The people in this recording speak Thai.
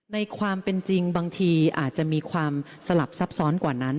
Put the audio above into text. ในความเป็นจริงบางทีอาจจะมีความสลับซับซ้อนกว่านั้น